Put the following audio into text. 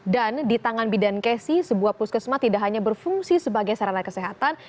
dan di tangan bidan kesi sebuah puskesma tidak hanya berfungsi sebagai sarana kesehatan